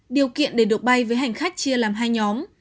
điều kiện để được bay với hành khách chia làm hai nhóm